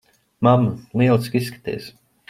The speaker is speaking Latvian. Mamma, lieliski izskaties.